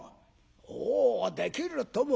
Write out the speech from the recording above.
「おうできるとも。